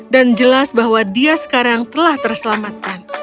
dan jelas bahwa dia sekarang telah terselamatkan